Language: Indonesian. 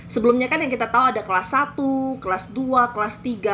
sebelumnya kan yang kita tahu ada kelas satu kelas dua kelas tiga